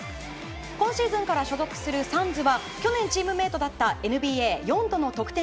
今シーズンから所属するサンズは去年、チームメートだったＮＢＡ４度の得点